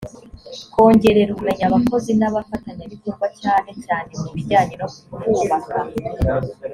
kwongerera ubumenyi abakozi n abafatanyabikorwa cyane cyane mu bijyanye no kubaka